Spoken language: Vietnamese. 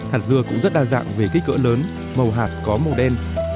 hạt dưa cũng rất đa dạng về kích cỡ lớn màu hạt có màu đen